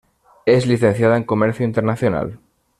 Es licenciada en comercio internacional.